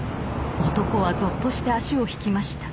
男はぞっとして足を引きました。